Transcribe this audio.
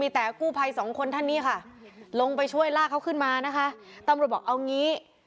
แต่กู้ภัยสองคนท่านนี้ค่ะลงไปช่วยลากเขาขึ้นมานะคะตำรวจบอกเอางี้